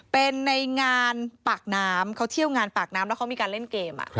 เป็นในงานปากน้ำเขาเที่ยวงานปากน้ำแล้วเขามีการเล่นเกม